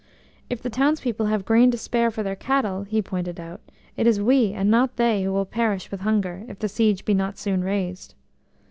"If the townspeople have grain to spare for their cattle," he pointed out, "it is we, and not they, who will perish with hunger, if the siege be not soon raised."